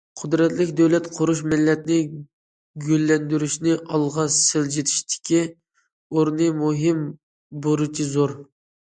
قۇدرەتلىك دۆلەت قۇرۇش، مىللەتنى گۈللەندۈرۈشنى ئالغا سىلجىتىشتىكى ئورنى مۇھىم، بۇرچى زور.